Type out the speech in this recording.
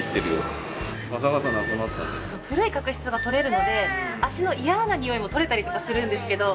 古い角質が取れるので足の嫌な臭いも取れたりとかするんですけど。